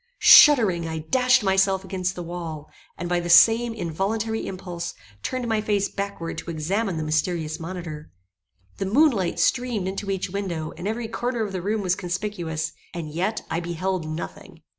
Shuddering, I dashed myself against the wall, and by the same involuntary impulse, turned my face backward to examine the mysterious monitor. The moon light streamed into each window, and every corner of the room was conspicuous, and yet I beheld nothing!